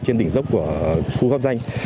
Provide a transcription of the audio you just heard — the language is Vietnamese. trên đỉnh dốc của khu góp danh